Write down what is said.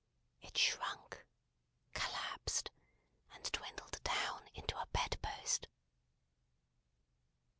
It shrunk, collapsed, and dwindled down into a bedpost.